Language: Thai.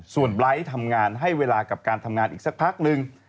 ส่วนไบร์ททำงานให้เวลากับการทำงานอีกสักพักนึง